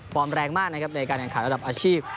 แรงมากนะครับในการแข่งขันระดับอาชีพ